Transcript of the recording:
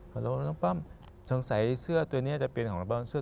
ฮัลโหลน้องป้อมสงสัยเสื้อตัวนี้จะเป็นของน้องป้อม